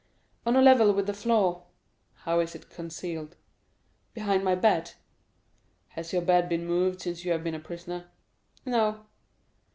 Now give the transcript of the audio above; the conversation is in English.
"On a level with the floor." "How is it concealed?" "Behind my bed." "Has your bed been moved since you have been a prisoner?" "No."